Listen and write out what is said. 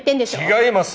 違います。